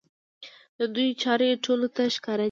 د دوی چارې ټولو ته ښکاره دي.